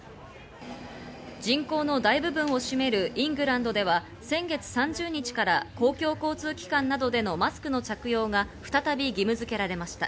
人口の大部分を占めるイングランドでは先月３０日から公共交通機関などでのマスクの着用が再び義務づけられました。